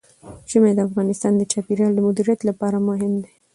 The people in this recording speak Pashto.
ژمی د افغانستان د چاپیریال د مدیریت لپاره مهم دي.